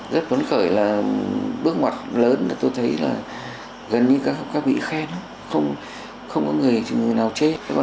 rất vấn khởi là bước ngoặt lớn tôi thấy là gần như các vị khen không có người thì người nào chết